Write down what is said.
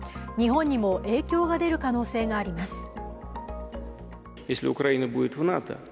日本にも影響が出る可能性があります。